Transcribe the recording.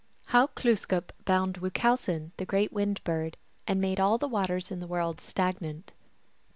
How Glooskap bound Wuchowsen, the Great Wind Bird, and made all the Waters in all the World Stagnant.